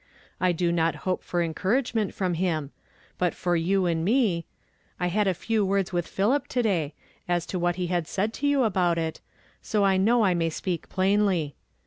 I do not hope for encouragement from him. But for you and me — I had a few words with Philip to day, as to what he had said to you ahout it, so I know I may speak plainly.